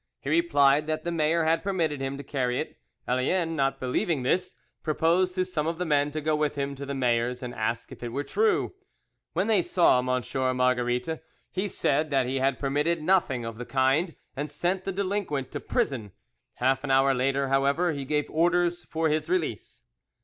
He replied that the mayor had permitted him to carry it; Allien not believing this, proposed to some of the men to go with him to the mayor's and ask if it were true. When they saw M. Marguerite, he said that he had permitted nothing of the kind, and sent the delinquent to prison. Half an hour later, however, he gave orders for his release.